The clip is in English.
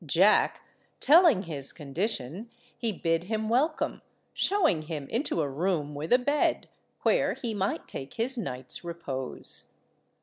Jack, telling his condition, he bid him welcome, showing him into a room with a bed, where he might take his night's repose.